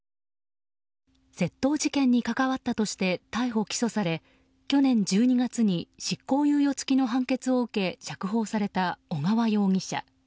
窃盗事件に関わったとして逮捕・起訴され去年１２月に執行猶予付きの判決を受け釈放された小川容疑者。